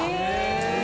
え！